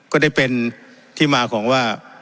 ก็ได้เป็นที่มาของว่า